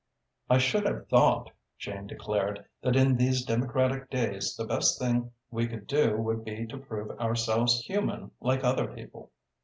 "I should have thought," Jane declared, "that in these democratic days the best thing we could do would be to prove ourselves human like other people."